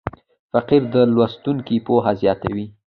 فقره د لوستونکي پوهه زیاتوي.